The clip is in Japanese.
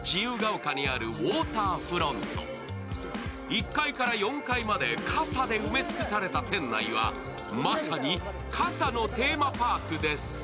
１階から４階まで傘で埋めつくされた店内は、まさに傘のテーマパークです。